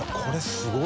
すごい！